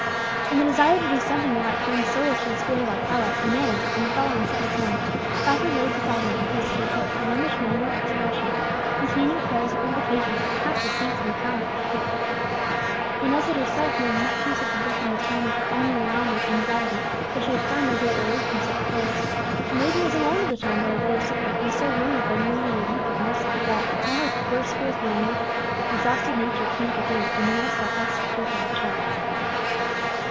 In the desire to do something that might bring solace to the spirit of Alcala, Inez, on the following Sabbath morn, softly laid beside him, while he was sleeping, a Romish manual of devotion, containing prayers or invocations to half the saints in the calendar of her Church. Inez had herself made much use of the book in the time of her overwhelming anxiety, though she had found no great relief from such prayers. The maiden was alone at the time by her brother's sick bed, and was so wearied by nearly a week of nursing, that, now that her worst fears were removed, exhausted nature claimed her due, and Inez fell fast asleep on her chair.